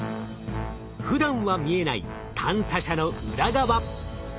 ふだんは見えない探査車の裏側。